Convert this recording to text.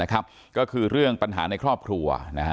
ก็คือเรื่องปัญหาในครอบครัว